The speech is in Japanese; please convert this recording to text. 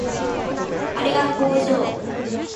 あれが工場